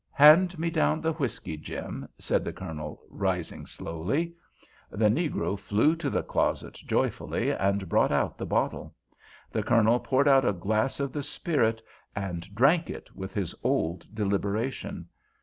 "Hand me down the whiskey, Jim," said the Colonel, rising slowly. The negro flew to the closet joyfully, and brought out the bottle. The Colonel poured out a glass of the spirit and drank it with his old deliberation.